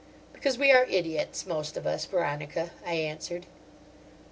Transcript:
"Because we are idiots, most of us, Veronica," I answered.